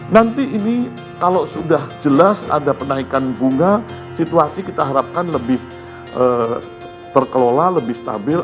nanti ini kalau sudah jelas ada penaikan bunga situasi kita harapkan lebih terkelola lebih stabil